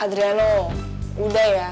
adriano udah ya